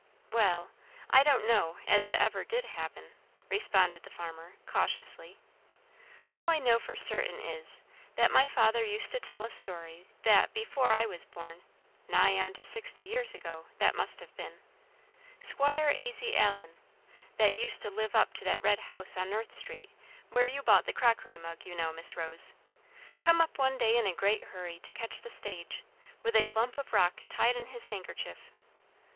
"Well, I don't know as it ever did happen," responded the farmer, cautiously. "All I know for certain is, that my father used to tell a story that, before I was born (nigh on to sixty years ago, that must have been), Squire Asy Allen that used to live up to that red house on North Street, where you bought the crockery mug, you know, Miss Rose come up one day in a great hurry to catch the stage, with a lump of rock tied in his handkerchief.